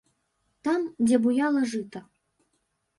Там, дзе буяла жыта.